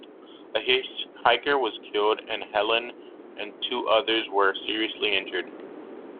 A hitchhiker was killed, and Helen and two others were seriously injured.